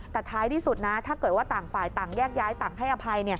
แต่ท้ายที่สุดนะถ้าเกิดว่าต่างฝ่ายต่างแยกย้ายต่างให้อภัย